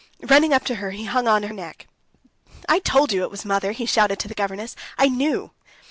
Running up to her, he hung on her neck. "I told you it was mother!" he shouted to the governess. "I knew!"